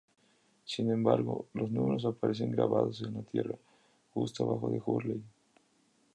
Sin embargo, los números aparecen grabados en la tierra; justo debajo de Hurley.